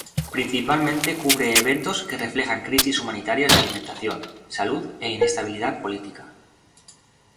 Principalmente cubre eventos que reflejan crisis humanitarias de alimentación, salud e inestabilidad política.